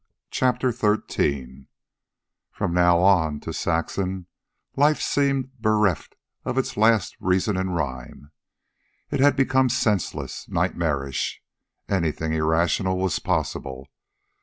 CHAPTER XIII From now on, to Saxon, life seemed bereft of its last reason and rhyme. It had become senseless, nightmarish. Anything irrational was possible.